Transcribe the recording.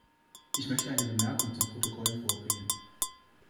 Ich möchte eine Bemerkung zum Protokoll vorbringen.